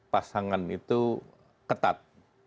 pasangan itu ketat